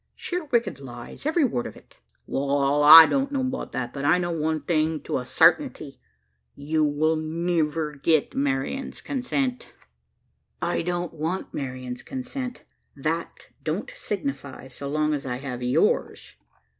Sheer wicked lies, every word of it!" "Wal, I don't know about that. But I know one thing, to a sartinty you will niver get Marian's consent." "I don't want Marian's consent that don't signify, so long as I have yours."